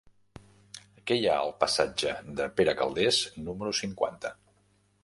Què hi ha al passatge de Pere Calders número cinquanta?